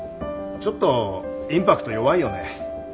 ちょっとインパクト弱いよね。